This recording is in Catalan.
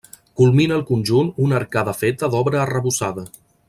Culmina el conjunt una arcada feta d'obra arrebossada.